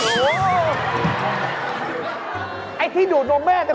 เห็นหินลูก